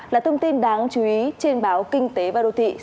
là thông tin đáng chú ý trên báo kinh tế và đô thị